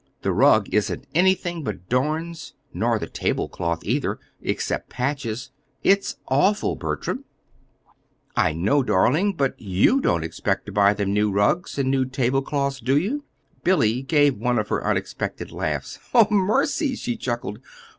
The rug isn't anything but darns, nor the tablecloth, either except patches. It's awful, Bertram!" "I know, darling; but you don't expect to buy them new rugs and new tablecloths, do you?" Billy gave one of her unexpected laughs. "Mercy!" she chuckled.